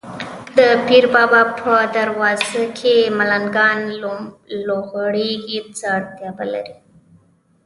د پیر بابا په دروازه کې ملنګان لوغړېږي، څه اړتیا به لري.